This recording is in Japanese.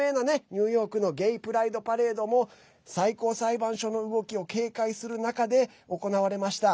ニューヨークのゲイ・プライド・パレードも最高裁判所の動きを警戒する中で行われました。